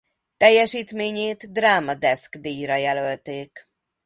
Teljesítményét Drama Desk-díjra jelölték.